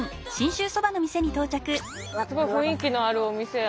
すごい雰囲気のあるお店や。